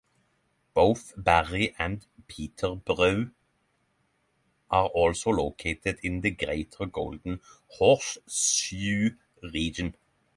Both Barrie and Peterborough are also located in the Greater Golden Horseshoe region.